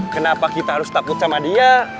kenapa kita harus takut sama dia